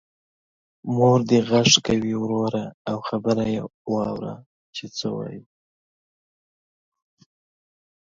مور دی غږ کوې وروره او خبر یې اوره هغه څه وايي.